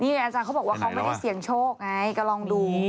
อาจารย์เขาบอกว่าเขาไม่ได้เสี่ยงโชคไงก็ลองดู